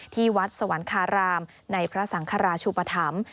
ที่วัดสวรรคารามในพระสังคราชุปธรรม